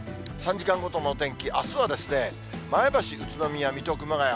３時間ごとのお天気、あすはですね、前橋、宇都宮、水戸、熊谷。